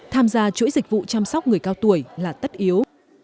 tham gia chuỗi dịch vụ chăm sóc người cao tuổi là tất yếu